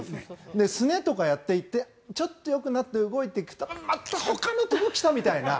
すねとかやってちょっとよくなって動くとまたほかのところ来たみたいな。